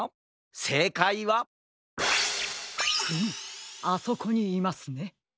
せいかいはフムあそこにいますね。